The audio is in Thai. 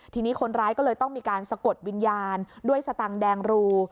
ทีนี้คนร้ายก็เลยต้องมีการสะกดวิญญาณด้วยสตังค์แดงรู